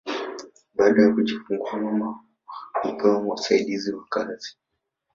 Baada ya kujifungua mama hupewa wasaidizi wa kazi